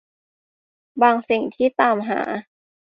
บางสิ่งที่ตามหา